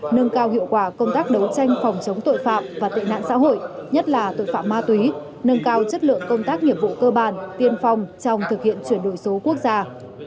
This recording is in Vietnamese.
nâng cao hiệu quả công tác đấu tranh phòng chống tội phạm và tệ nạn xã hội nhất là tội phạm ma túy nâng cao chất lượng công tác nghiệp vụ cơ bản tiên phong trong thực hiện chuyển đổi số quốc gia